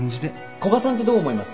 古賀さんってどう思います？